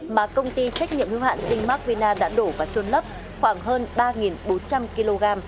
mà công ty trách nhiệm hưu hạn sinh mac vina đã đổ và trôn lấp khoảng hơn ba bốn trăm linh kg